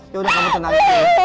yaudah kamu tenangin dulu